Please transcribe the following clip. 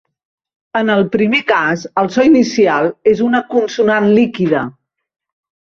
En el primer cas, el so inicial és una consonant líquida.